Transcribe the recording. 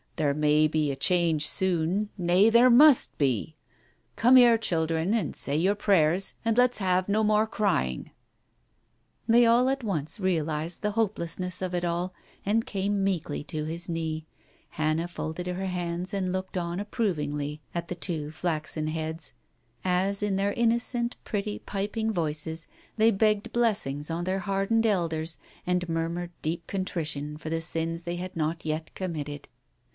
There may be a change soon, nay, there must be. ... Come here, children, and say your prayers, and let's have no more crying." They all at once realized the hopelessness of it all, and came meekly to his knee, Hannah folded her hands and looked on approvingly at the two flaxen heads, as in their innocent, pretty, piping voices they begged blessings on their hardened elders, and murmured deep contrition for the sins they had not yet committed.